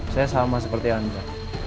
saya sama seperti anda